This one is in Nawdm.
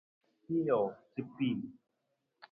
Pijoo ca piin.